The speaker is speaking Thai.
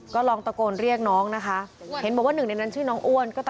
ก็ลองตะโกนเรียกน้องนะคะเห็นบอกว่าหนึ่งในนั้นชื่อน้องอ้วน